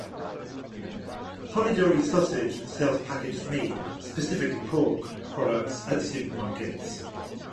Polidori Sausage sells packaged meat (specifically pork) products at supermarkets.